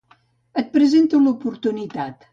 Et presento l'oportunitat.